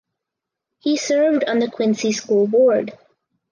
He served on the Quincy School Board.